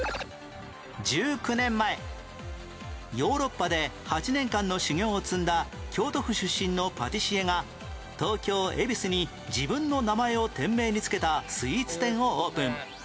１９年前ヨーロッパで８年間の修業を積んだ京都府出身のパティシエが東京恵比寿に自分の名前を店名につけたスイーツ店をオープン